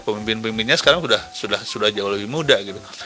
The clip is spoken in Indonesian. pemimpin pemimpinnya sekarang sudah jauh lebih muda gitu